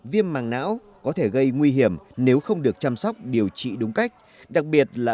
viêm màng não có thể gây nguy hiểm nếu không được chăm sóc điều trị đúng cách đặc biệt là